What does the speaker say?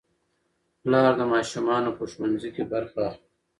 پلار د ماشومانو په ښوونځي کې برخه اخلي